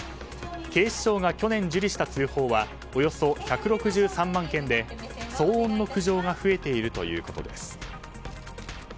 警視庁が去年受理した通報はおよそ１６３万件で騒音の苦情が増えているということです。